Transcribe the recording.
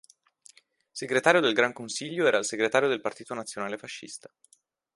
Segretario del Gran consiglio era il Segretario del Partito Nazionale Fascista.